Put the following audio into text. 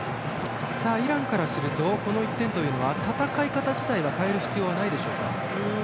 イランからするとこの１点というのは戦い方自体は変える必要はないですか。